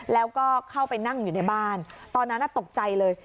แล้วก็เข้าไปนั่งอยู่ในบ้านตอนนั้นตกใจเลย